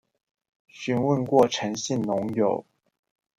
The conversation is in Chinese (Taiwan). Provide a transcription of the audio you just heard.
詢問過陳姓農友